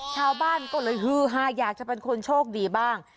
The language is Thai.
ชาวบ้านก็เลยฮือฮาอยากจะเป็นคนโชคดีบ้าง